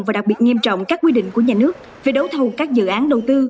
và đặc biệt nghiêm trọng các quy định của nhà nước về đấu thầu các dự án đầu tư